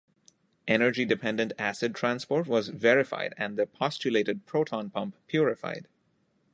Energy-dependent acid transport was verified and the postulated proton pump purified.